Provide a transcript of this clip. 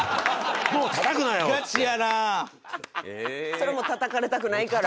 それもう叩かれたくないから。